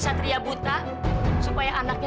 saya gleich bersama soekarno